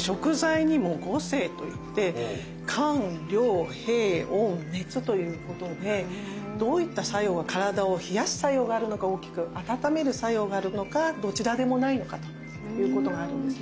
食材にも「五性」といって「寒涼平温熱」ということでどういった作用が体を冷やす作用があるのか大きく温める作用があるのかどちらでもないのかということがあるんですね。